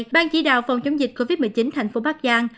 ban chỉ đạo phòng chống dịch covid một mươi chín thành phố bắc giang